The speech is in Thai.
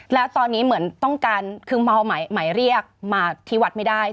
แล้วตอนนี้เหมือนต้องการคือเมาหมายเรียกมาที่วัดไม่ได้